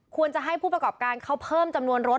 จะให้ผู้ประกอบการเขาเพิ่มจำนวนรถ